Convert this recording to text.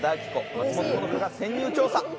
松本穂香が潜入調査。